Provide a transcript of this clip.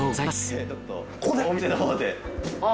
えっ！